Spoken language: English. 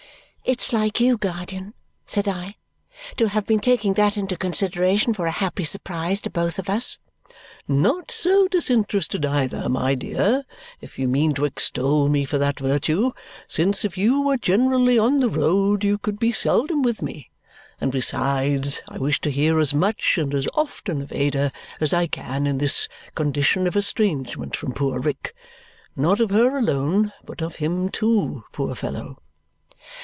"It's like you, guardian," said I, "to have been taking that into consideration for a happy surprise to both of us." "Not so disinterested either, my dear, if you mean to extol me for that virtue, since if you were generally on the road, you could be seldom with me. And besides, I wish to hear as much and as often of Ada as I can in this condition of estrangement from poor Rick. Not of her alone, but of him too, poor fellow."